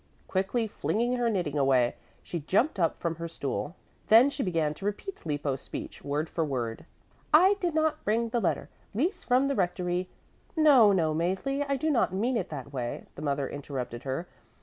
Quickly flinging her knitting away, she jumped up from her stool. Then she began to repeat Lippo's speech, word for word: "I did not bring the letter. Lise from the rectory " "No, no, Mäzli, I do not mean it that way," the mother interrupted her.